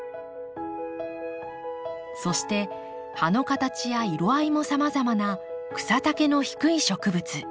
そして葉の形や色合いもさまざまな草丈の低い植物。